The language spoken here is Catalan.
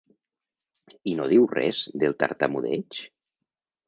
I no diu res del tartamudeig?